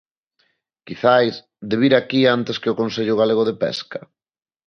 ¿Quizás de vir aquí antes que ao Consello Galego de Pesca?